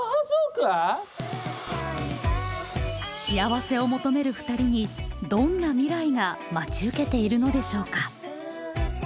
幸せを求めるふたりにどんな未来が待ち受けているのでしょうか？